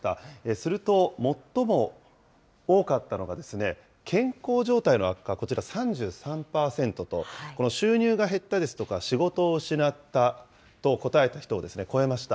すると、最も多かったのがですね、健康状態の悪化、こちら３３％と、この収入が減ったですとか、仕事を失ったと答えた人を超えました。